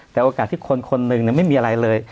แต่โอกาสที่คนคนหนึ่งไม่มีอะไรเลย